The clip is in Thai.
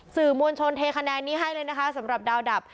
สื่อมวลชนเทคะแนนนี้ให้เลยนะคะสำหรับดาวดับ